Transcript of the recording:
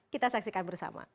kita saksikan bersama